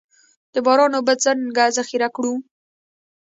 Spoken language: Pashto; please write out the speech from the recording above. د باران اوبه څنګه ذخیره کړو؟